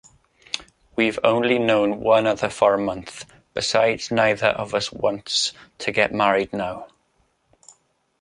We’ve only known one another for a month. Besides, neither of us wants to get married now.